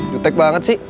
dutex banget sih